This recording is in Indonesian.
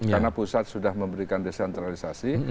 karena pusat sudah memberikan desentralisasi